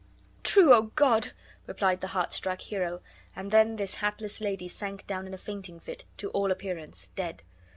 "True, O God!" replied the heart struck Hero; and then this hapless lady sank down in a fainting fit, to all appearance dead.